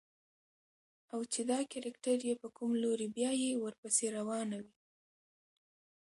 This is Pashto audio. او چې دا کرکټر يې په کوم لوري بيايي ورپسې روانه وي.